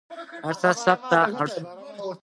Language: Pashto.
هر څه ثبت ته اړ شول.